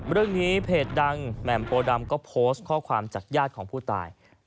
เรื่องนี้เพจดังแหม่มโพดำก็โพสต์ข้อความจากญาติของผู้ตาย